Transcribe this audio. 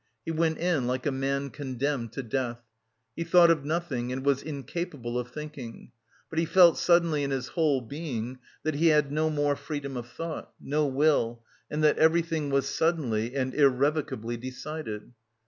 He went in like a man condemned to death. He thought of nothing and was incapable of thinking; but he felt suddenly in his whole being that he had no more freedom of thought, no will, and that everything was suddenly and irrevocably decided.